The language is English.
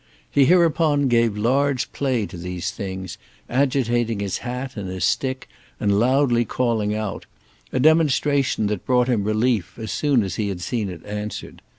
He hereupon gave large play to these things, agitating his hat and his stick and loudly calling out—a demonstration that brought him relief as soon as he had seen it answered.